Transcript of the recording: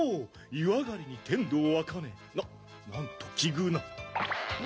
湯上がりに天道あかねななんと奇遇なん？